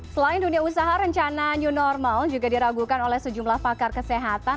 selain dunia usaha rencana new normal juga diragukan oleh sejumlah pakar kesehatan